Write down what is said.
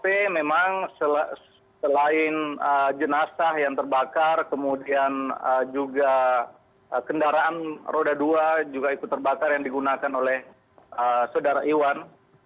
t memang selain jenazah yang terbakar kemudian juga kendaraan roda dua juga ikut terbakar yang digunakan oleh saudara iwan